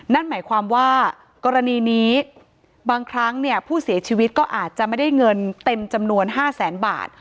นั่นหมายความว่ากรณีนี้บางครั้งเนี่ยผู้เสียชีวิตก็อาจจะไม่ได้เงินเต็มจำนวน๕แสนบาท